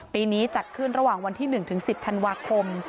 ปีนี้จัดขึ้นระหว่างวันที่๑๑๐ธันวาคม